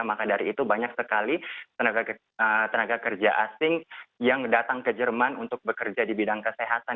maka dari itu banyak sekali tenaga kerja asing yang datang ke jerman untuk bekerja di bidang kesehatan